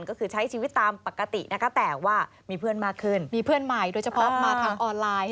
ก็คือใช้ชีวิตตามปกตินะคะแต่ว่ามีเพื่อนมากขึ้นมีเพื่อนใหม่โดยเฉพาะมาทางออนไลน์